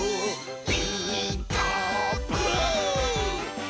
「ピーカーブ！」